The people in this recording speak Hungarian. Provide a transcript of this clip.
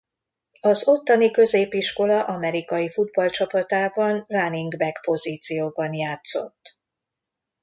Az ottani középiskola amerikaifutball-csapatában running back pozícióban játszott.